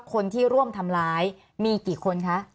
คนที่ร่วมทำร้ายมีกี่คนคะ